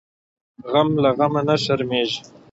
غم له غمه نه شرمیږي .